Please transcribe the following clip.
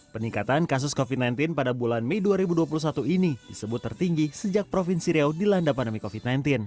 peningkatan kasus covid sembilan belas pada bulan mei dua ribu dua puluh satu ini disebut tertinggi sejak provinsi riau dilanda pandemi covid sembilan belas